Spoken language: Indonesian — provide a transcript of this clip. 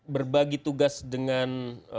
berbagi tugas dengan